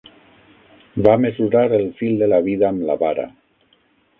Va mesurar el fil de la vida amb la vara.